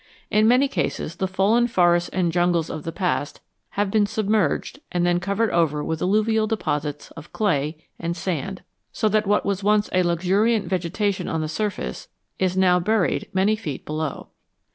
In many cases the fallen forests and jungles of the past have been submerged and then covered over with alluvial deposits of clay and sand, so that what was once a luxuriant vegetation on the surface is now buried many feet below.